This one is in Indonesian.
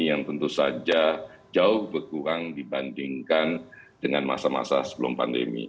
yang tentu saja jauh berkurang dibandingkan dengan masa masa sebelum pandemi